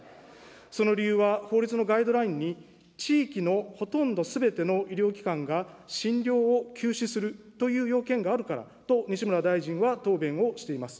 その理由は法律のガイドラインに地域のほとんどすべての医療機関が診療を休止するという要件があるからと、西村大臣は答弁をしています。